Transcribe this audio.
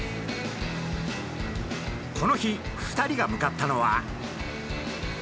この日２人が向かったのは。